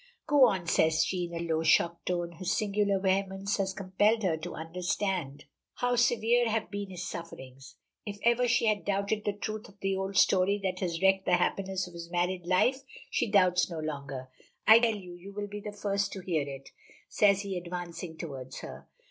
"Go on," says she, in a low shocked tone. His singular vehemence has compelled her to understand how severe have been his sufferings. If ever she had doubted the truth of the old story that has wrecked the happiness of his married life she doubts no longer. "I tell you, you will be the first to hear it," says he, advancing toward her.